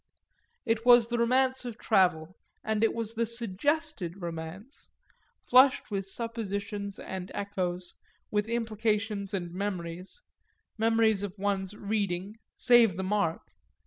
It was the romance of travel, and it was the suggested romance, flushed with suppositions and echoes, with implications and memories, memories of one's "reading," save the mark!